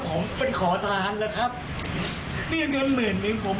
มันไม่คุ้มกับเงินตัวนี้หรอก